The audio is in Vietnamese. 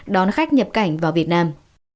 đón khách nhập cảnh vào việt nam